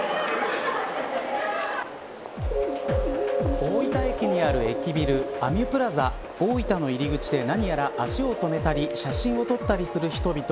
大分駅にある駅ビルアミュプラザおおいたの入り口で何やら足を止めたり写真を撮ったりする人々。